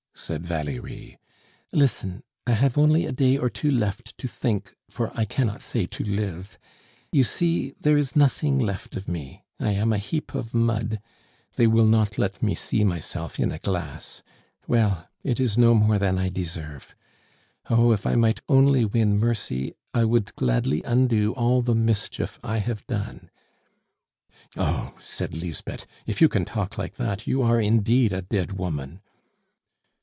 said Valerie. "Listen. I have only a day or two left to think, for I cannot say to live. You see, there is nothing left of me I am a heap of mud! They will not let me see myself in a glass. Well, it is no more than I deserve. Oh, if I might only win mercy, I would gladly undo all the mischief I have done." "Oh!" said Lisbeth, "if you can talk like that, you are indeed a dead woman."